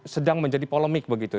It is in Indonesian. sedang menjadi polemik begitu